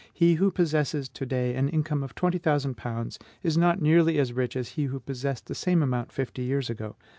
He who possesses to day an income of twenty thousand pounds is not nearly as rich as he who possessed the same amount fifty years ago.